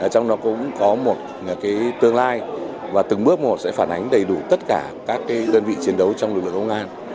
trong đó cũng có một tương lai và từng bước một sẽ phản ánh đầy đủ tất cả các đơn vị chiến đấu trong lực lượng công an